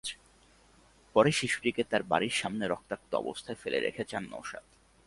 পরে শিশুটিকে তাঁর বাড়ির সামনে রক্তাক্ত অবস্থায় ফেলে রেখে যান নওশাদ।